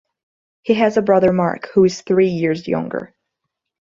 He has a brother Mark who is three years younger.